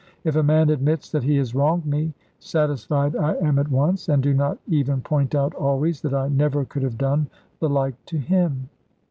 If a man admits that he has wronged me, satisfied I am at once, and do not even point out always, that I never could have done the like to him.